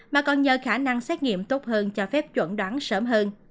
mà còn nhờ khả năng xét nghiệm tốt hơn cho phép chuẩn đoán sớm hơn